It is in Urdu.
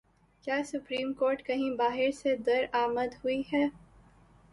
کیا سپریم کورٹ کہیں باہر سے درآمد ہوئی ہے؟